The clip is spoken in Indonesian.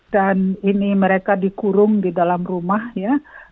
dan ini mereka dikurung di dalam rumah ya